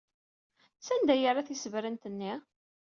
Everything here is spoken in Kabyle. Sanda ay yerra tisebrent-nni?